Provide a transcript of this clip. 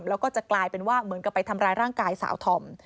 แล้วก็จะกลายเป็นว่าเหมือนกับไปทำร้ายร่างกายสาวธอม